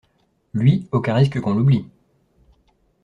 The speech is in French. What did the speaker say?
Lui, aucun risque qu’on l’oublie!